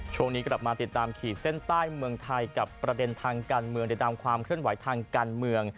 ช่วงนี้กลับมาติดตามขีดเส้นใต้เมืองไทยกับประเด็นทางการเมืองติดตามความเคลื่อนไหวทางการเมือง